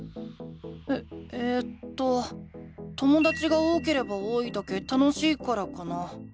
ええとともだちが多ければ多いだけ楽しいからかな。